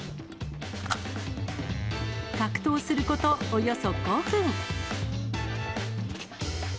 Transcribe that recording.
格闘することおよそ５分。